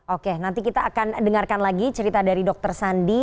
oke nanti kita akan dengarkan lagi cerita dari dokter sandi